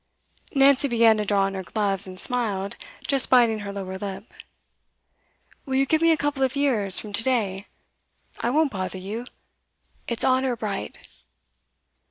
Nancy began to draw on her gloves, and smiled, just biting her lower lip. 'Will you give me a couple of years, from to day? I won't bother you. It's honour bright!